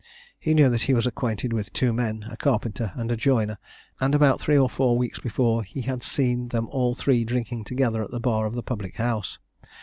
He knew that he was acquainted with two men, a carpenter and a joiner, and about three or four weeks before he had seen them all three drinking together at the bar of the public house.